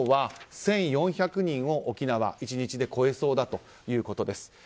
今日は１４００人を沖縄、１日で超えそうだということです。